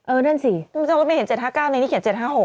นั่นสิสมมุติไม่เห็น๗๕๙ในนี้เขียน๗๕๖